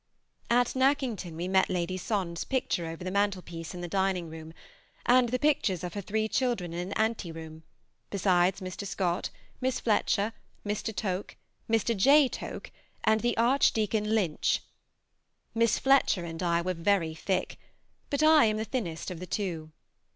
At Nackington we met Lady Sondes' picture over the mantelpiece in the dining room, and the pictures of her three children in an ante room, besides Mr. Scott, Miss Fletcher, Mr. Toke, Mr. J. Toke, and the archdeacon Lynch. Miss Fletcher and I were very thick, but I am the thinnest of the two.